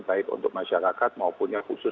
baik untuk masyarakat maupunnya khusus